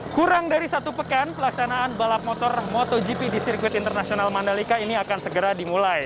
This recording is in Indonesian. kurang dari satu pekan pelaksanaan balap motor motogp di sirkuit internasional mandalika ini akan segera dimulai